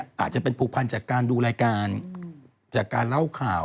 อาจจะเป็นผูกพันจากการดูรายการจากการเล่าข่าว